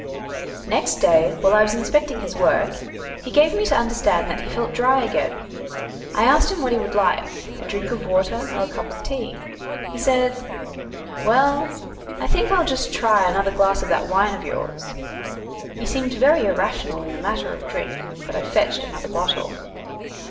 Next day, while I was inspecting his work, he gave me to understand that he felt dry again. I asked him what he would like, a drink of water or a cup of tea? He said, "Well, I think I'll just try another glass of that wine of yours." He seemed very irrational in the matter of drink, but I fetched another bottle.